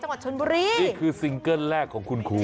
จังหวัดชนบุรีนี่คือซิงเกิ้ลแรกของคุณครู